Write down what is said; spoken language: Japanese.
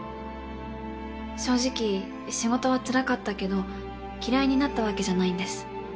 正直仕事はつらかったけど嫌いになったわけじゃないんです。